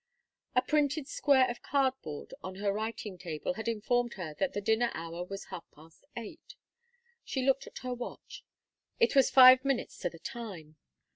A printed square of card board on her writing table had informed her that the dinner hour was half past eight. She looked at her watch. It was five minutes to the time.